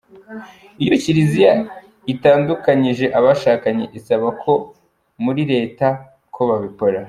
Iyo Kiliziya itandukanyije abashakanye isaba ko muri Leta ko babikora.